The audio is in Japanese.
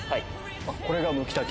これがムキタケ。